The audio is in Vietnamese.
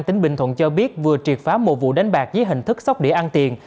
tính bình thuận cho biết vừa triệt phá một vụ đánh bạc với hình thức sóc đĩa ăn tiền